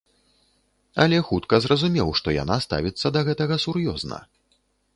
Але хутка зразумеў, што яна ставіцца да гэтага сур'ёзна.